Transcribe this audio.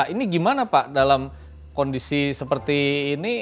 ini gimana pak dalam kondisi seperti ini